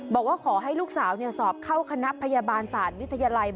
บอกว่าขอให้ลูกสาวสอบเข้าคณะพยาบาลศาสตร์วิทยาลัย